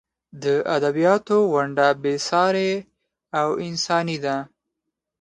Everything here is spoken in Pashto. د ادبیاتو ونډه بې سارې او انساني ده.